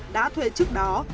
đã thuê trước đó